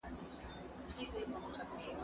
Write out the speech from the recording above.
زه مخکي ږغ اورېدلی و؟!